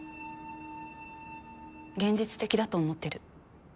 現実的だと思ってる。